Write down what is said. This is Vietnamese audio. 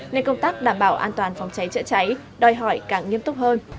nên công tác đảm bảo an toàn phòng cháy chữa cháy đòi hỏi càng nghiêm túc hơn